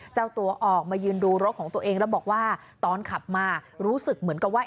เจ้าตัวออกมายืนดูรถของตัวเองแล้วบอกว่าตอนขับมารู้สึกเหมือนกับว่า